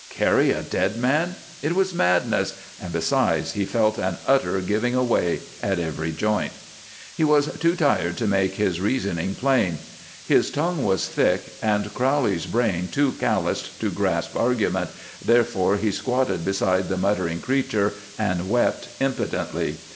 Carry a dead man? It was madness, and, besides, he felt an utter giving away at every joint. He was too tired to make his reasoning plain; his tongue was thick, and Crowley's brain too calloused to grasp argument, therefore he squatted beside the muttering creature and wept impotently.